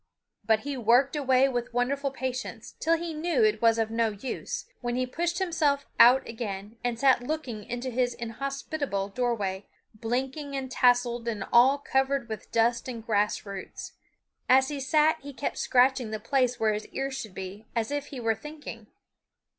But he worked away with wonderful patience till he knew it was of no use, when he pushed himself out again and sat looking into his inhospitable doorway, blinking and tousled and all covered with dust and grass roots. As he sat he kept scratching the place where his ear should be, as if he were thinking.